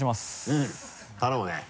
うん頼むね。